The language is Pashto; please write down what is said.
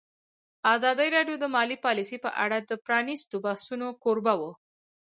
ازادي راډیو د مالي پالیسي په اړه د پرانیستو بحثونو کوربه وه.